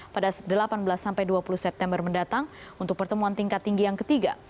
pada delapan belas sampai dua puluh september mendatang untuk pertemuan tingkat tinggi yang ketiga